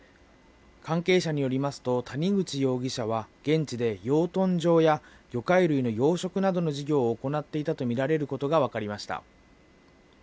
関係者によりますと、谷口容疑者は、現地で養豚場や、魚介類の養殖などの事業を行っていたと見られることが分かりました。